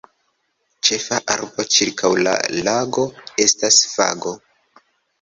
Ĉefa arbo ĉirkaŭ la lago estas fago.